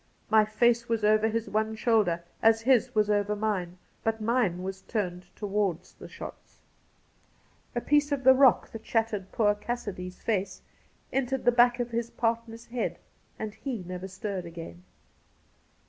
My face was over his one shoulder, as his was over mine ; but mine was turned towards the shots.' Cassidy 165 A piece of the rock that shattered poor Cassidy's face entered the back of his partner's head, and he never stirred again.